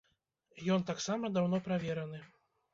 Ён таксама даўно правераны.